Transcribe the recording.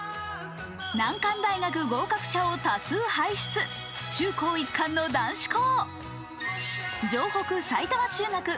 難関大学合格者を多数輩出、中高一貫の男子校。